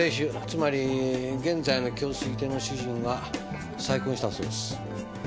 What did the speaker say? つまり現在の京粋亭の主人は再婚したそうです。